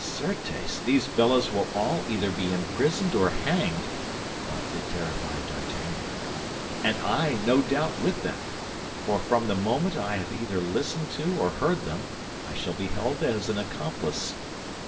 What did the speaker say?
"Certes, these fellows will all either be imprisoned or hanged," thought the terrified D'Artagnan, "and I, no doubt, with them; for from the moment I have either listened to or heard them, I shall be held as an accomplice.